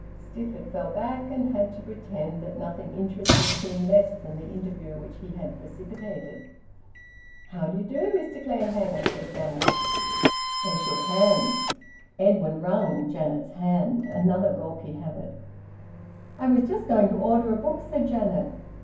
Stifford fell back and had to pretend that nothing interested him less than the interview which he had precipitated. "How d'you do, Mr Clayhanger?" said Janet. They shook hands. Edwin wrung Janet's hand; another gawky habit. "I was just going to order a book," said Janet.